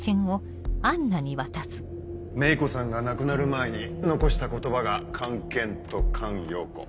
芽衣子さんが亡くなる前に残した言葉が「菅研」と「菅容子」。